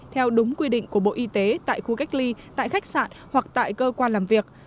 theo đúng quy định của bộ y tế tại khu cách ly tại khách sạn hoặc tại cơ quan làm việc